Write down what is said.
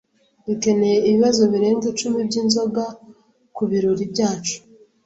Dukeneye ibibazo birenga icumi byinzoga kubirori byacu.